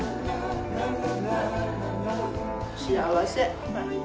幸せ。